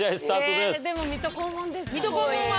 でも水戸黄門ですかね？